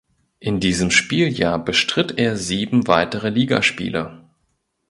In diesem Spieljahr bestritt er sieben weitere Ligaspiele.